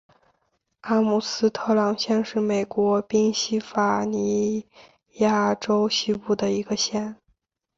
阿姆斯特朗县是美国宾夕法尼亚州西部的一个县。